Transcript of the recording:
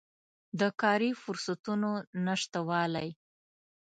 د کاري فرصتونو نشتوالی